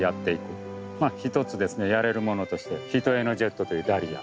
まあ一つですねやれるものとして一重のジェットというダリア。